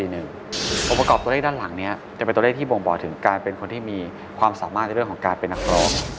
องค์ประกอบตัวเลขด้านหลังนี้จะเป็นตัวเลขที่บ่งบอกถึงการเป็นคนที่มีความสามารถในเรื่องของการเป็นนักร้อง